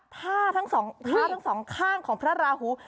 ท่าทั้งสองข้างของพระราหู